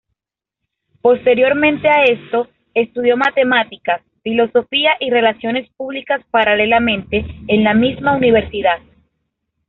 Posteriormente a esto, estudió matemáticas, filosofía y relaciones públicas paralelamente, en la misma universidad.